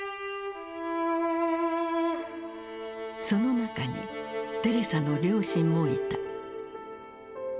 その中にテレサの両親もいた。